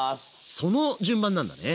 その順番なんだね。